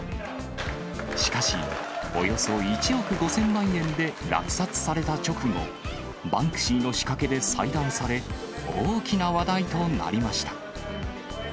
しかし、およそ１億５０００万円で落札された直後、バンクシーの仕掛けで裁断され、大きな話題となりました。